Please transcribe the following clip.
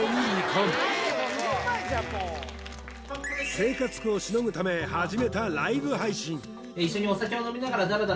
生活苦を凌ぐため始めたライブ配信